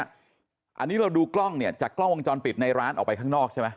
อันนี้เราดูกล้องเนี่ยจากกล้องวงจรปิดในร้านออกไปข้างนอกใช่ไหม